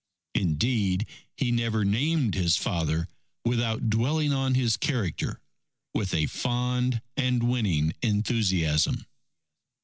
Indeed, he never named his father, without dwelling on his character with a fond and winning enthusiasm.